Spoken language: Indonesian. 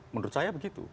menurut saya begitu